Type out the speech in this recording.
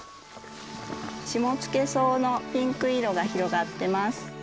シモツケソウのピンクいのが広がってます。